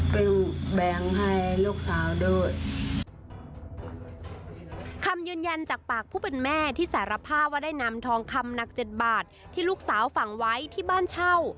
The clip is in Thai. แบ่งให้ลูกสาวด้วยคำยืนยันจากปากผู้เป็นแม่ที่สารภาพว่าได้นำทองคำหนักเจ็ดบาทที่ลูกสาวฝังไว้ที่บ้านเช่า